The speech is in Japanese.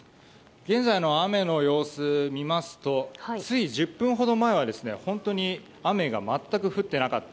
現在の雨の様子を見ますとつい１０分ほど前は本当に雨が全く降ってなかった。